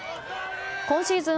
今シーズン